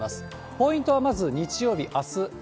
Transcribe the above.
ポイントはまず日曜日、あす。